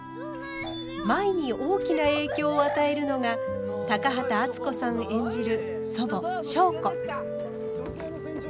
舞に大きな影響を与えるのが高畑淳子さん演じる祖母祥子。